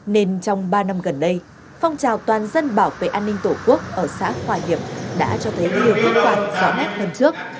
nên trong ba năm gần đây phong trào toàn dân bảo vệ an ninh tổ quốc ở xã hòa hiệp đã cho thấy nhiều kết quả rõ nét hơn trước